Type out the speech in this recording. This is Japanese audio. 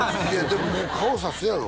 でも顔さすやろ？